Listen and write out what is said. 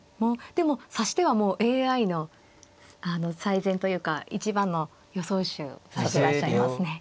でも指し手はもうＡＩの最善というか一番の予想手指してらっしゃいますね。